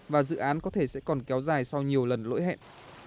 và dự án có thể sẽ còn kéo dài sau nhiều lần lỗi hẹn